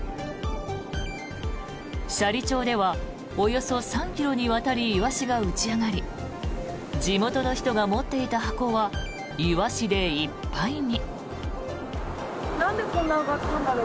斜里町ではおよそ３ｋｍにわたりイワシが打ち上がり地元の人が持っていた箱はイワシでいっぱいに。